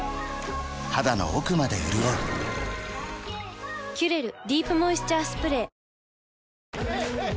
肌の奥まで潤う「キュレルディープモイスチャースプレー」ヘイ！